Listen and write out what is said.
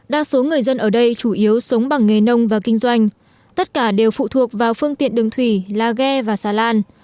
đa số người dân ở đây chủ yếu sống bằng nghề nông và kinh doanh tất cả đều phụ thuộc vào phương tiện đường thủy là ghe và xà lan